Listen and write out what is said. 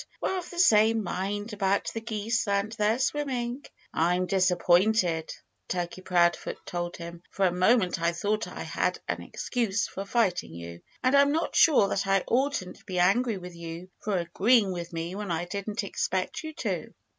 We're of the same mind about the geese and their swimming." "I'm disappointed," Turkey Proudfoot told him. "For a moment I thought I had an excuse for fighting you. And I'm not sure that I oughtn't to be angry with you for agreeing with me when I didn't expect you to."